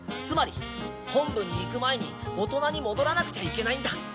つまり本部に行く前に大人に戻らなくちゃいけないんだ。